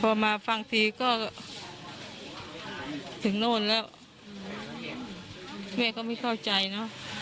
พอมาฟังทีก็ถึงโน่นแล้วแม่ก็ไม่เข้าใจเนอะ